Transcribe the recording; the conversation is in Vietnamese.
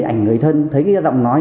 ảnh người thân thấy giọng nói